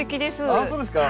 あっそうですか！